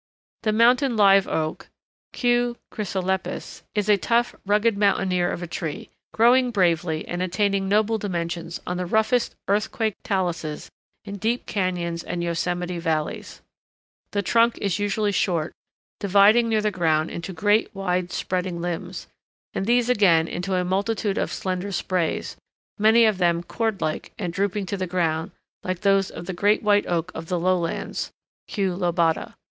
The Mountain Live Oak (Q. Chrysolepis) is a tough, rugged mountaineer of a tree, growing bravely and attaining noble dimensions on the roughest earthquake taluses in deep cañons and yosemite valleys. The trunk is usually short, dividing near the ground into great, wide spreading limbs, and these again into a multitude of slender sprays, many of them cord like and drooping to the ground, like those of the Great White Oak of the lowlands (Q. lobata).